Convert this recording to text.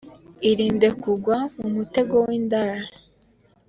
Irinde kugwa mu mutego w’indaya